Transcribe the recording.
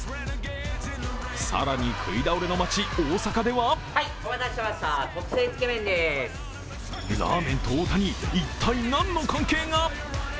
更に食い倒れの街・大阪ではラーメンと大谷、一体何の関係が？